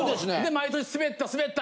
毎年「スベったスベった」